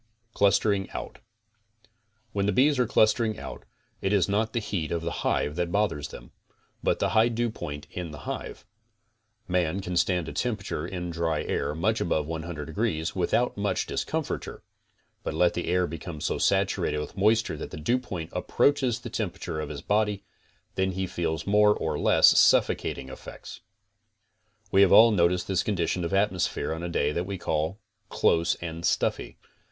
CLUSTERING OUT When the bees are clustering out, it is not the heat of the hive that bothers them, but the high dewpoint in the hive. Man can stand a temperature in dry air much above 100 degrees without much discomforture, but let the air become so saturated with moisture that the dewpoint approaches the temperature of his body, then he feels more or less sufficating effects. We have all noticed this condition of atmosphere on a day that we call close and stuffy.